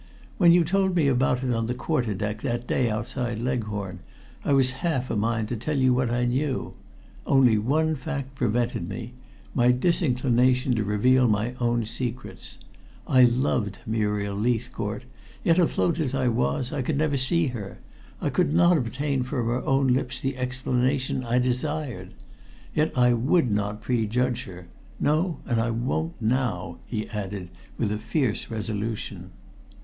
"When you told me about it on the quarter deck that day outside Leghorn, I was half a mind to tell you what I knew. Only one fact prevented me my disinclination to reveal my own secrets. I loved Muriel Leithcourt, yet, afloat as I was, I could never see her I could not obtain from her own lips the explanation I desired. Yet I would not prejudge her no, and I won't now!" he added with a fierce resolution.